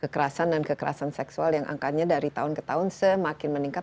kekerasan dan kekerasan seksual yang angkanya dari tahun ke tahun semakin meningkat